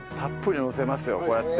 こうやって。